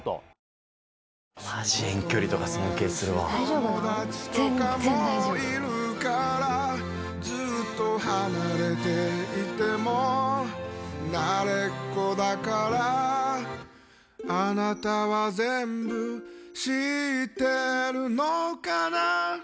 友達とかもいるからずっと離れていても慣れっこだからあなたは全部知ってるのかな